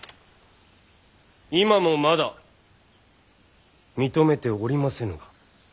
今もまだ認めておりませぬが。